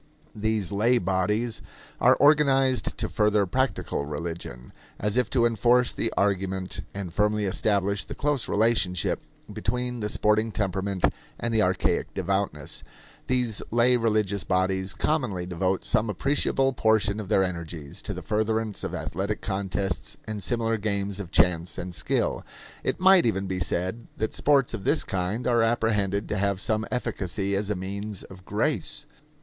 These lay bodies are organized to further "practical" religion; and as if to enforce the argument and firmly establish the close relationship between the sporting temperament and the archaic devoutness, these lay religious bodies commonly devote some appreciable portion of their energies to the furtherance of athletic contests and similar games of chance and skill. It might even be said that sports of this kind are apprehended to have some efficacy as a means of grace.